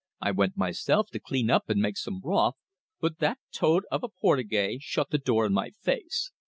I went myself to clean up and make some broth, but that toad of a Portugais shut the door in my face.